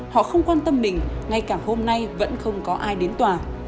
họ không quan tâm mình ngay cả hôm nay vẫn không có ai đến tòa